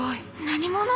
何者？